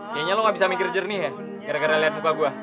kayanya lo gak bisa mikir jernih ya gara gara liat muka gue